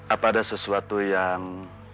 apa ada sesuatu yang